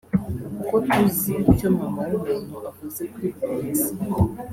kuko tuzi icyo mama wumuntu avuze kuri buri wese